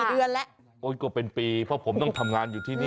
เดือนแล้วก็เป็นปีเพราะผมต้องทำงานอยู่ที่นี่